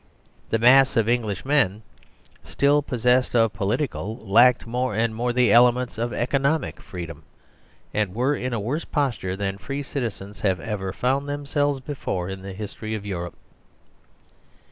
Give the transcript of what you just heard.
The mass of English men, still possessed of political, lacked more and more the elements of economic, freedom, and were in a worse posture than free citizens have ever found themselves before in the history of Europe.